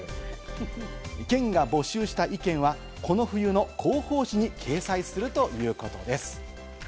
県が募集した意見はこの冬の広報紙に掲載するということです。